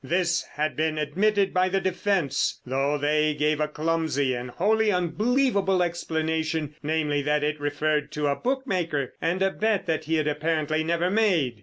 This had been admitted by the defence, though they gave a clumsy and wholly unbelievable explanation, namely, that it referred to a bookmaker and a bet that he had apparently never made!